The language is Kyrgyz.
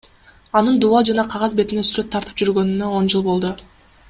Анын дубал жана кагаз бетине сүрөт тартып жүргөнүнө он жыл болду.